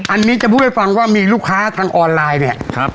อันนี้จะพูดให้ฟังว่ามีลูกค้าทางออนไลน์เนี่ยครับ